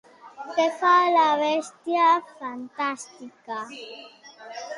Què fa la bèstia fantàstica?